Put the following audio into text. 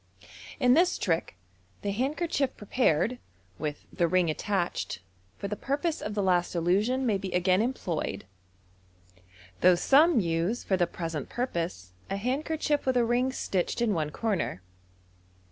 — In this trick, the handkerchief prepared (with the ring attached) for the purpose of the last illusion may be again employed, though some use for the present purpose a handkerchief with a ring stitched in one corner.